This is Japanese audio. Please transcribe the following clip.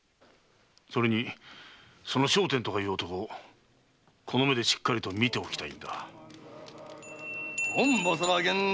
それにその聖天とかいう男この目でしっかりと見ておきたい。